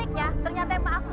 ngomongnya bapak tenang saja